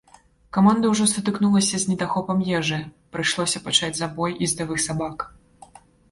Каманда ўжо сутыкнулася з недахопам ежы, прыйшлося пачаць забой ездавых сабак.